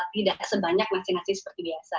tidak sebanyak nasi nasi seperti biasa